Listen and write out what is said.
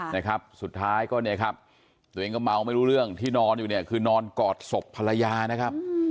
นะครับสุดท้ายก็เนี่ยครับตัวเองก็เมาไม่รู้เรื่องที่นอนอยู่เนี่ยคือนอนกอดศพภรรยานะครับ